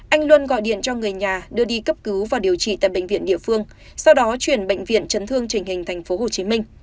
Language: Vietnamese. anh luân gọi điện cho người nhà đưa đi cấp cứu và điều trị tại bệnh viện địa phương sau đó chuyển bệnh viện chấn thương trình hình tp hcm